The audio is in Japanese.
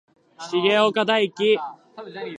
重岡大毅